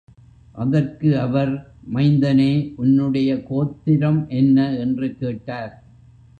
அதற்கு அவர், மைந்தனே, உன்னுடைய கோத்திரம் என்ன? என்று கேட்டார்.